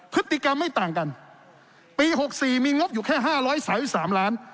พฤติกรรมไม่ต่างกันปี๖๔มีงบอยู่แค่๕๓๓ล้าน